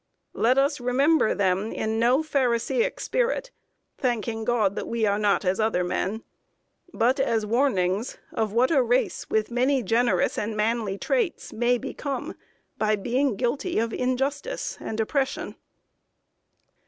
Let us remember them in no Pharisaic spirit, thanking God that we are not as other men but as warnings of what a race with many generous and manly traits may become by being guilty of injustice and oppression.